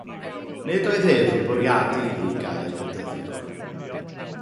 Nid oedd ef yn bwriadu iddi gael ei bedyddio.